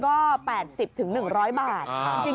โอ้โห